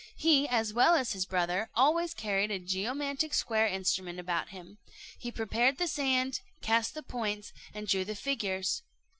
He, as well as his brother, always carried a geomantic square instrument about him; he prepared the sand, cast the points, and drew the figures.